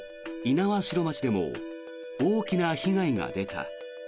猪苗代町でも大きな被害が出た。